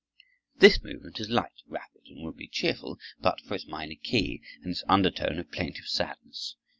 This movement is light, rapid, and would be cheerful but for its minor key and its undertone of plaintive sadness.